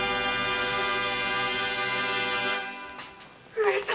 上様！